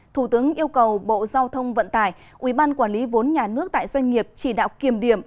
thủ tướng yêu cầu bộ giao thông vận tải ubnd quản lý vốn nhà nước tại doanh nghiệp chỉ đạo kiềm điểm